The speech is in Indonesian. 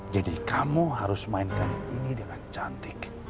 jadi kamu harus mainkan ini dengan cantik